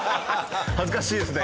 恥ずかしいですね。